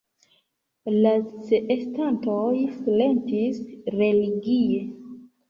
La ĉeestantoj silentis religie.